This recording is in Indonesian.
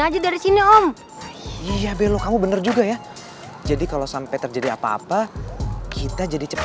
aja dari sini om iya belok kamu bener juga ya jadi kalau sampai terjadi apa apa kita jadi cepat